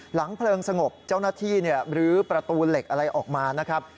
เพลิงสงบเจ้าหน้าที่รื้อประตูเหล็กอะไรออกมานะครับ